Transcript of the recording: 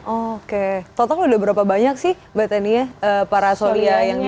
oke total udah berapa banyak sih mbak tania para soria yang dibantu